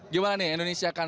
gimana nih indonesia kan